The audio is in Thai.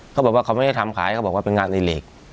เขาบอกว่าเขาไม่ได้ทำขายเขาบอกว่าเป็นงานอีเหล็ก